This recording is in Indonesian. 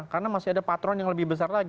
karena masih ada patron yang lebih besar lagi